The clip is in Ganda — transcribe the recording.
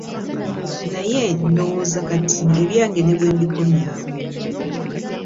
Naye ndowooza kati ebyange ne bwe mbikomya awo.